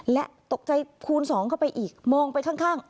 และตกใจคูณสองเข้าไปอีกมองไปข้าง